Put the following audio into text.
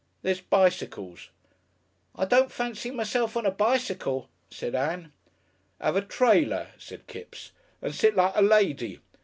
There's bicycles " "I don't fancy myself on a bicycle," said Ann. "'Ave a trailer," said Kipps, "and sit like a lady.